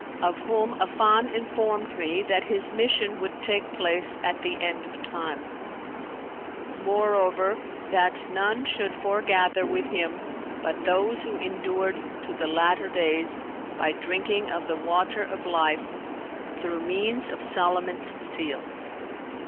of whom Affan informed me that his mission would take place at the End of Time; moreover that none should foregather with him but those who endured to the latter days by drinking of the Water of Life through means of Solomon's seal.